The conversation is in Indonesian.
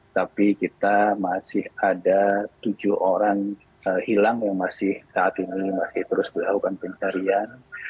tapi kita masih ada tujuh orang hilang yang masih saat ini masih terus dilakukan pencarian